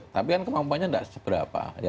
tapi kan kemampuannya tidak seberapa